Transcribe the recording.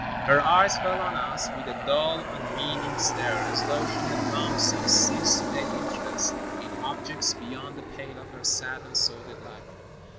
Her eyes fell on us with a dull, unmeaning stare, as though she had long since ceased to take interest in objects beyond the pale of her sad and sordid life.